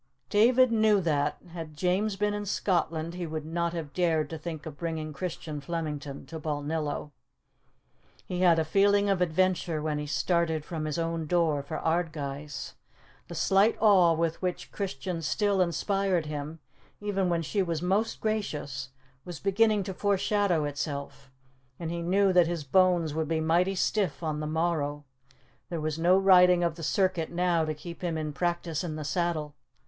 David knew that, had James been in Scotland, he would not have dared to think of bringing Christian Flemington to Balnillo. He had a feeling of adventure when he started from his own door for Ardguys. The slight awe with which Christian still inspired him, even when she was most gracious, was beginning to foreshadow itself, and he knew that his bones would be mighty stiff on the morrow; there was no riding of the circuit now to keep him in practice in the saddle.